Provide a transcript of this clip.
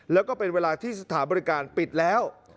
แล้วก็เป็นเวลาที่สถานบริการปิดแล้ว